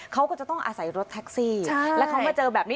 เขาก็จะต้องอาศัยรถแท็กซี่แล้วเขามาเจอแบบนี้